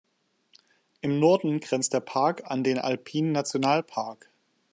Im Norden grenzt der Park an den Alpine-Nationalpark.